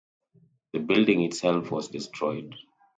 The building itself was destroyed.